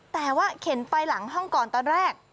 แต่ว่าเข็นไปหลังห้องก่อนตอนแรก